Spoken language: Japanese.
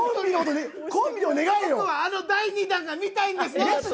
僕はあの第２弾が見たいんです！